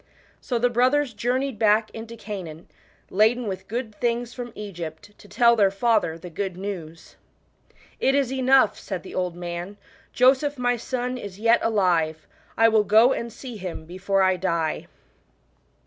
So the brothers journeyed back into Canaan, laden with good things from Egypt, to tell their father the ^ood news. "It is enough," said the old man; "Joseph my son is yet alive : I will go and see, him before I die."